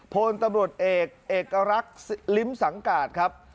พลตำรวจเอกเอกรักษ์ลิ้มสังกาศครับ